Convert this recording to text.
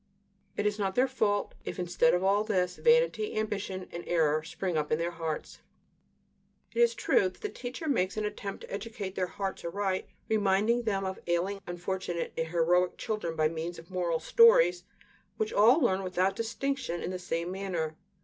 It is not their fault if, instead of all this, vanity, ambition, and error spring up in their hearts. It is true that the teacher makes an attempt to educate their hearts aright, reminding them of ailing, unfortunate, and heroic children by means of moral stories which all learn without distinction in the same manner.